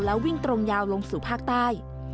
แล้ววิ่งตรงยาวลงสู่ภาคใต้